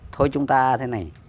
thôi chúng ta thế này